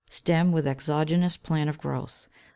Stem with exogenous plan of growth.